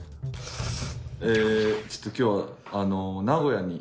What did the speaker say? ちょっと今日は名古屋に。